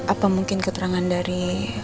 apa mungkin keterangan dari